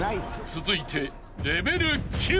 ［続いて］